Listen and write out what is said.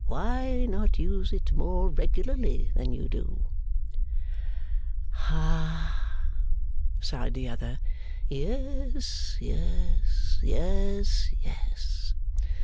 Why not use it more regularly than you do?' 'Hah!' sighed the other. 'Yes, yes, yes, yes.